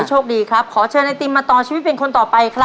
โชคดีครับขอเชิญไอติมมาต่อชีวิตเป็นคนต่อไปครับ